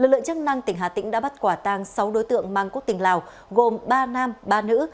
lực lượng chức năng tỉnh hà tĩnh đã bắt quả tang sáu đối tượng mang quốc tịch lào gồm ba nam ba nữ